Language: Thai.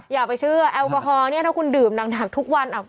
อย่าไปเชื่อแอลกอฮอลเนี่ยถ้าคุณดื่มหนักทุกวัน